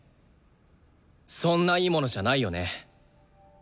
そんないいものじゃないよね。